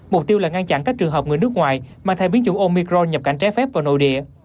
mục tiêu là ngăn chặn các trường hợp người nước ngoài mang theo biến chủng omicron nhập cảnh trái phép vào nội địa